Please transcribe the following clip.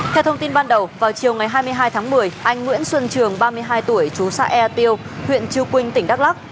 theo thông tin ban đầu vào chiều ngày hai mươi hai tháng một mươi anh nguyễn xuân trường ba mươi hai tuổi chú xã ea tiêu huyện chư quynh tỉnh đắk lắc